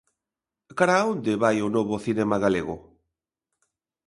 Cara a onde vai o novo cinema galego?